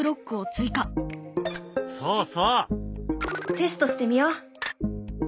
テストしてみよう。